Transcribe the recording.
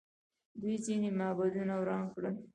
دوی ځینې معبدونه وران کړل